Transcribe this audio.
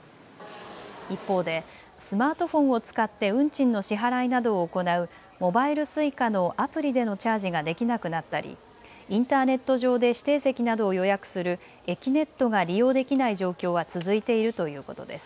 一方でスマートフォンを使って運賃の支払いなどを行うモバイルＳｕｉｃａのアプリでのチャージができなくなったりインターネット上で指定席などを予約するえきねっとが利用できない状況は続いているということです。